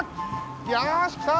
よしきた！